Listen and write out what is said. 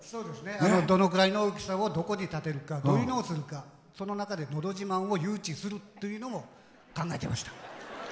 どのぐらいの大きさをどこに建てるかどういうのをするかその中で「のど自慢」を誘致するというのを考えてました。